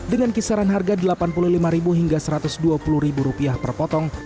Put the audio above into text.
dengan kisaran harga rp delapan puluh lima hingga rp satu ratus dua puluh per potong